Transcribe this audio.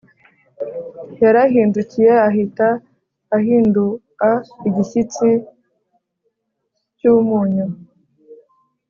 yarahindukiye ahita ahindua igishyitsi cy’umunyu